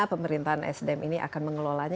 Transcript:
pemerintahan sdm ini akan mengelolanya